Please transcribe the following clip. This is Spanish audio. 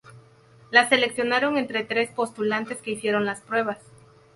La seleccionaron entre tres postulantes que hicieron las pruebas.